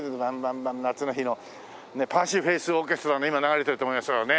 『夏の日の』パーシー・フェイス・オーケストラの今流れてると思います。